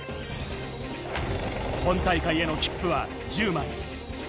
本大会への切符は１０枚。